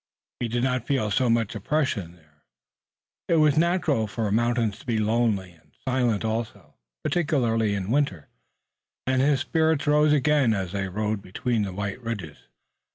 He did not feel so much oppression here. It was natural for mountains to be lonely and silent also, particularly in winter, and his spirits rose again as they rode between the white ridges.